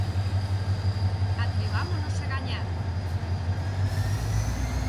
Atrevámonos a gañar.